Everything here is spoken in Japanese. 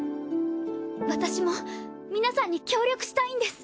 私も皆さんに協力したいんです。